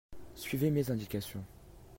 suivez mes indications.